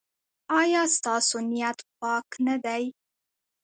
ایا ستاسو نیت پاک نه دی؟